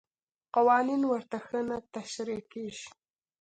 قوانین ورته ښه نه تشریح کېږي.